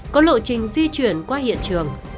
có lộ trình di chuyển qua hiện trường